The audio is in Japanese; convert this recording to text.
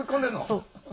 そう。